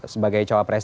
sebagai cowok pres